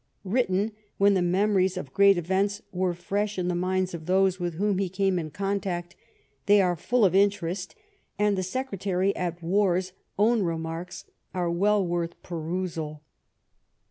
Written when the memories of great events were fresh in the minds of those with whom he came in contact, they are full of interest, and the Secretary at War's own remarks are well worth perusal.